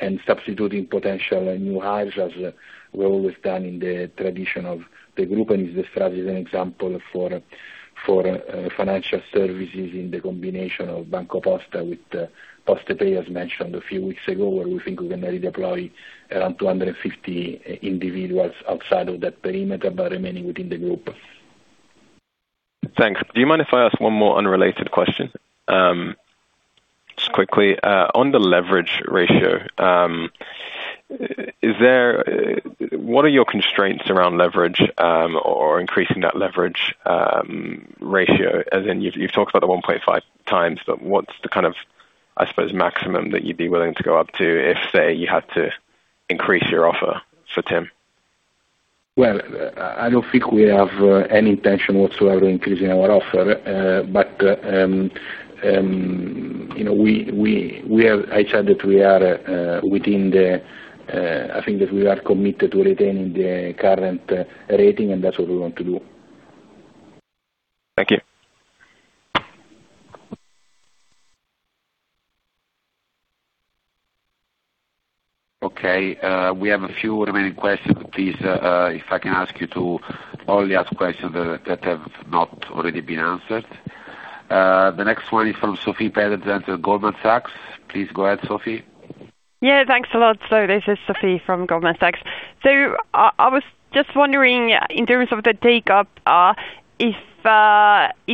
and substituting potential new hires, as we're always done in the tradition of the group. This is the strategy as an example for financial services in the combination of BancoPosta with PostePay, as mentioned a few weeks ago, where we think we can redeploy around 250 individuals outside of that perimeter, but remaining within the group. Thanks. Do you mind if I ask one more unrelated question, just quickly, on the leverage ratio, what are your constraints around leverage, or increasing that leverage ratio? As in you've talked about the 1.5x, but what's the kind of, I suppose, maximum that you'd be willing to go up to if, say, you had to increase your offer for TIM? Well, I don't think we have any intention whatsoever increasing our offer. You know, I said that we are, I think that we are committed to retaining the current rating, and that's what we want to do. Thank you. Okay. We have a few remaining questions. Please, if I can ask you to only ask questions that have not already been answered. The next one is from Sofie Peterzens at Goldman Sachs. Please go ahead, Sofie. Yeah. Thanks a lot. This is Sofie from Goldman Sachs. I was just wondering in terms of the take-up, if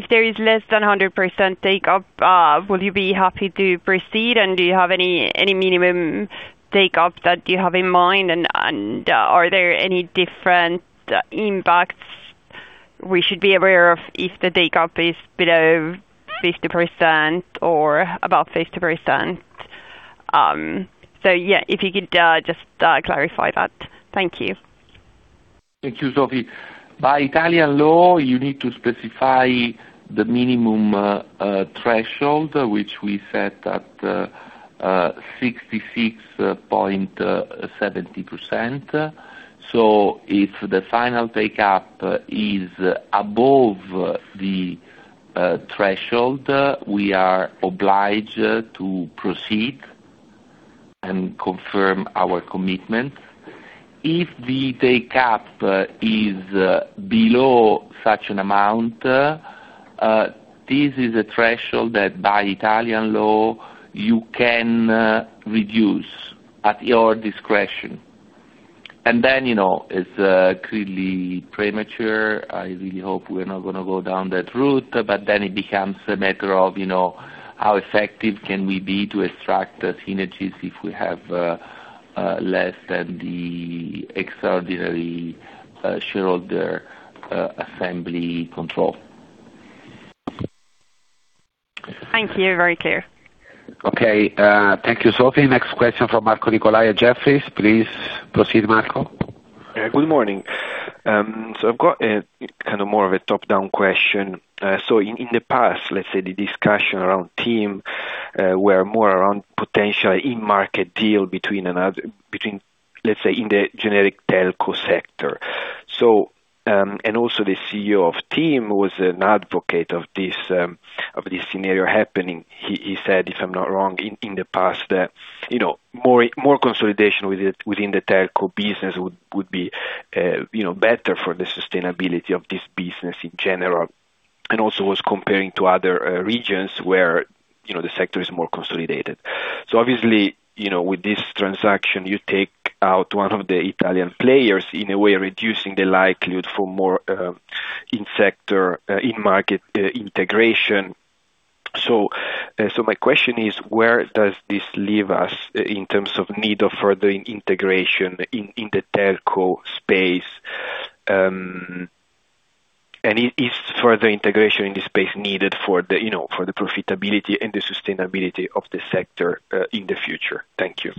there is less than 100% take-up, will you be happy to proceed, and do you have any minimum take-up that you have in mind, and are there any different impacts we should be aware of if the take-up is below 50% or above 50%? Yeah, if you could just clarify that. Thank you. Thank you, Sofie. By Italian law, you need to specify the minimum threshold, which we set at 66.70%. If the final take-up is above the threshold, we are obliged to proceed and confirm our commitment. If the take-up is below such an amount, this is a threshold that by Italian law you can reduce at your discretion. Then, you know, it's clearly premature. I really hope we're not gonna go down that route, but then it becomes a matter of, you know, how effective can we be to extract the synergies if we have less than the extraordinary shareholder assembly control. Thank you. Very clear. Okay. Thank you, Sofie. Next question from Marco Nicolai at Jefferies. Please proceed, Marco. Good morning. I've got more of a top-down question. In the past, the discussion around TIM were more around potential in-market deal between in the generic telco sector. The CEO of TIM was an advocate of this scenario happening. He said in the past that more consolidation within the telco business would be better for the sustainability of this business in general, and also was comparing to other regions where the sector is more consolidated. With this transaction, you take out one of the Italian players, in a way reducing the likelihood for more in-sector in-market integration. My question is, where does this leave us in terms of need of further integration in the telco space? Is further integration in this space needed for the, you know, profitability and the sustainability of the sector in the future? Thank you.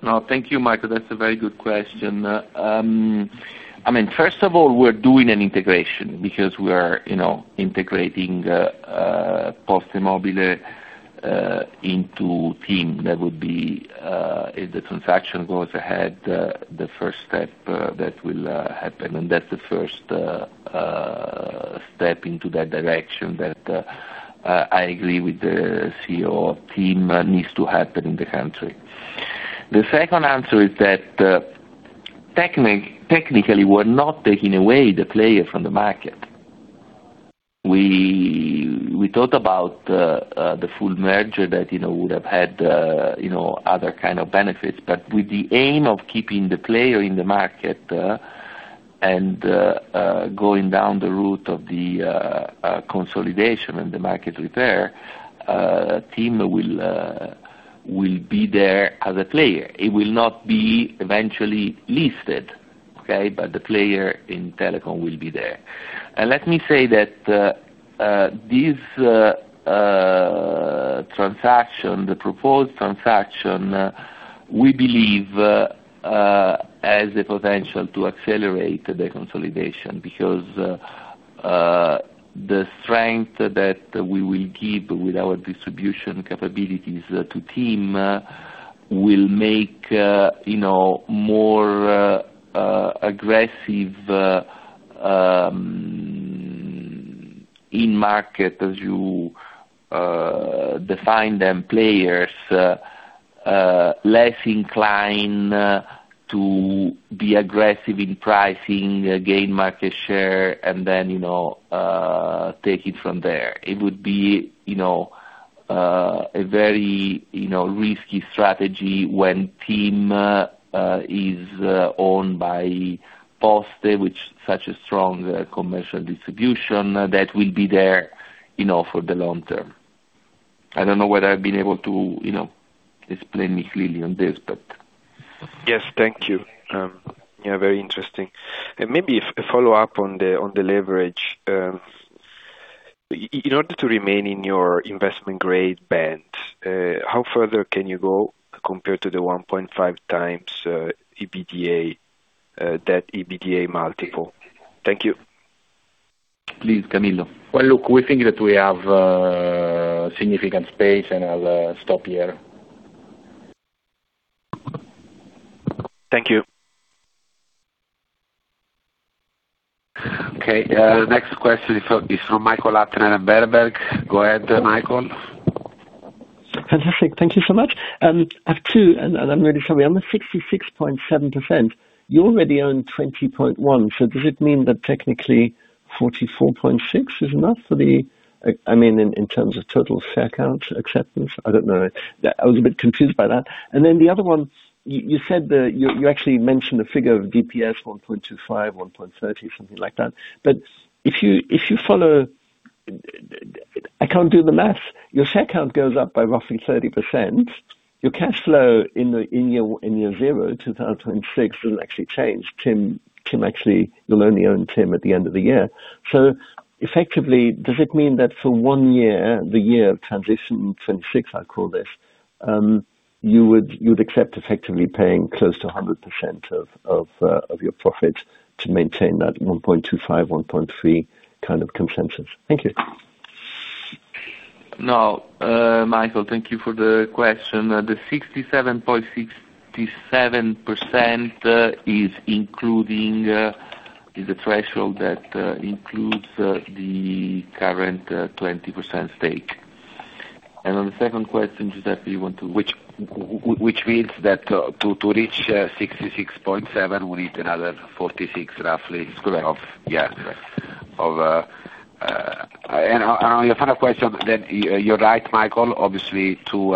No, thank you, Marco. That's a very good question. I mean, first of all, we're doing an integration because we're, you know, integrating PosteMobile into TIM. That would be, if the transaction goes ahead, the first step that will happen, and that's the first step into that direction that I agree with the CEO of TIM needs to happen in the country. The second answer is that, technically, we're not taking away the player from the market. We thought about the full merger that, you know, would have had, you know, other kind of benefits. with the aim of keeping the player in the market, and going down the route of the consolidation and the market repair, TIM will be there as a player. It will not be eventually listed, okay. The player in telecom will be there. Let me say that this transaction, the proposed transaction, we believe has the potential to accelerate the consolidation because the strength that we will give with our distribution capabilities to TIM will make, you know, more aggressive in market as you define them, players less inclined to be aggressive in pricing, gain market share and then, you know, take it from there. It would be, you know, a very, you know, risky strategy when TIM is owned by Poste, which such a strong commercial distribution that will be there, you know, for the long term. I don't know whether I've been able to, you know, explain it clearly on this, but. Yes, thank you. Yeah, very interesting. Maybe as a follow-up on the leverage, in order to remain in your investment grade band, how much further can you go compared to the 1.5x EBITDA multiple? Thank you. Please, Camillo. Well, look, we think that we have significant space, and I'll stop here. Thank you. Okay. Next question is from Michael Huttner at Berenberg. Go ahead, Michael. Fantastic. Thank you so much. I have two, and I'm really sorry. On the 66.7%, you already own 20.1%, so does it mean that technically 44.6% is enough for the I mean, in terms of total share count acceptance? I don't know. That I was a bit confused by that. The other one, you said that you actually mentioned the figure of DPS 1.25, 1.30, something like that. But if you I can't do the math. Your share count goes up by roughly 30%. Your cash flow in year zero, 2006, doesn't actually change. TIM actually. You'll only own TIM at the end of the year. Effectively, does it mean that for one year, the year of transition, 2026, I call this, you'd accept effectively paying close to 100% of your profits to maintain that 1.25-1.3 kind of consensus? Thank you. No, Michael, thank you for the question. The 67.67% is a threshold that includes the current 20% stake. On the second question, which means that to reach 66.7, we'll need another 46, roughly. Correct. On your final question then, you're right, Michael. Obviously, to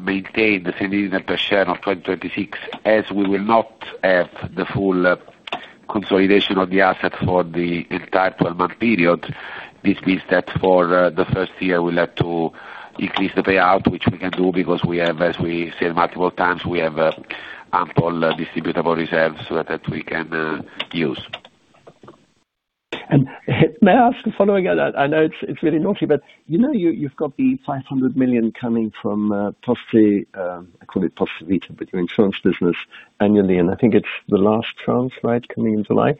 maintain the dividend per share of 2026, as we will not have the full consolidation of the asset for the entire 12-month period, this means that for the first year, we'll have to increase the payout, which we can do because we have, as we said multiple times, ample distributable reserves so that we can use. May I ask a follow-up? I know it's really naughty, but you know you've got the 500 million coming from Poste, I call it Poste Vita, but your insurance business, annually, and I think it's the last tranche, right, coming in July.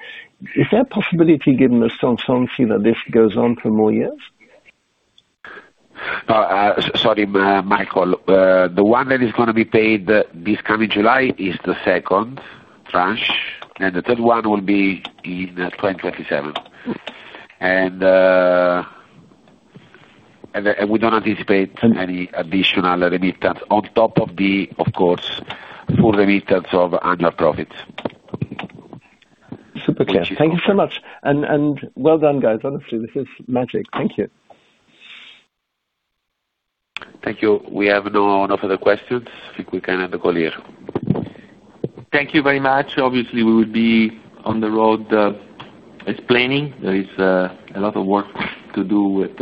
Is there a possibility, given the strong solvency, that this goes on for more years? Sorry, Michael. The one that is gonna be paid this coming July is the second tranche, and the third one will be in 2027. We don't anticipate any additional remittance on top of the, of course, full remittance of annual profits. Super clear. Thank you so much. Well done, guys. Honestly, this is magic. Thank you. Thank you. We have no further questions. I think we can end the call here. Thank you very much. Obviously, we will be on the road, explaining. There is a lot of work to do with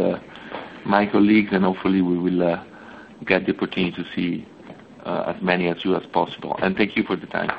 my colleagues, and hopefully, we will get the opportunity to see as many as you as possible. Thank you for the time.